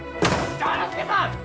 丈之助さん！